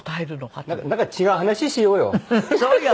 なんか違う話しようよ。